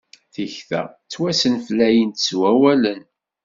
Tikta twasenflayent s wawalen.